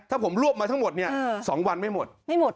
ถ้าผมรวบมาทั้งหมดเนี่ย๒วันไม่หมดไม่หมด